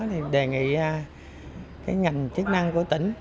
thì đề nghị cái ngành chức năng của tỉnh